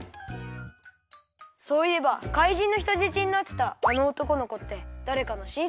そういえば怪人のひとじちになってたあのおとこのこってだれかのしんせきかな？